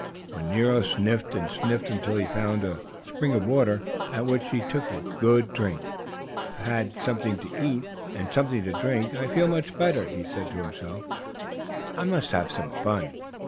Then Nero sniffed and sniffed until he found a spring of water, at which he took a good drink. "Well, now that I have had something to eat and something to drink I feel much better," said Nero to himself. "I must have some fun."